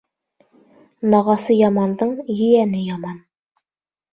Нағасы ямандың ейәне яман.